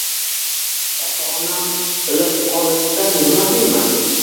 Ota-onam bilib qolishsa, nima deyman?